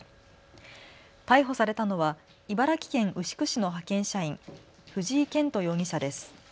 逮捕されたのは茨城県牛久市の派遣社員、藤井健人容疑者です。